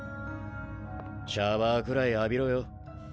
シャワーくらい浴びろよ。